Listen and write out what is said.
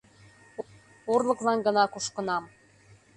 Орлыклан гына кушкынам...